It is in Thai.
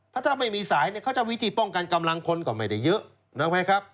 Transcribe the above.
เพราะถ้าไม่มีสายเนี่ยเขาจะมีวิธีป้องกันกำลังคนก่อนไม่ได้เยอะ